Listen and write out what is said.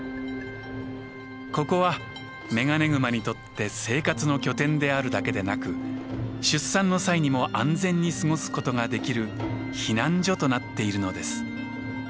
ここはメガネグマにとって生活の拠点であるだけでなく出産の際にも安全に過ごすことができる避難所となっているのです。